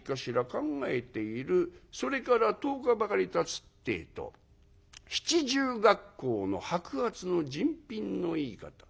考えているそれから１０日ばかりたつってえと七十恰好の白髪の人品のいい方。